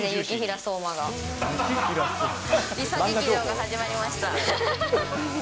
梨紗劇場が始まりました。